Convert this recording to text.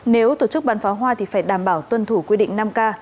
nếu tổ chức bắn pháo hoa thì phải đảm bảo tuân thủ quy định năm k